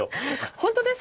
本当ですか？